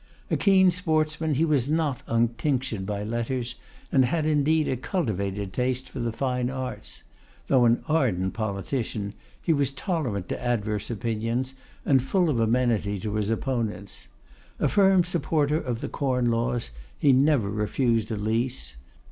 A keen sportsman, he was not untinctured by letters, and had indeed a cultivated taste for the fine arts. Though an ardent politician, he was tolerant to adverse opinions, and full of amenity to his opponents. A firm supporter of the corn laws, he never refused a lease.